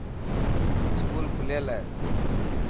اسڪول کليل هي.